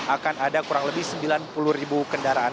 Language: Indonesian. akan ada kurang lebih sembilan puluh ribu kendaraan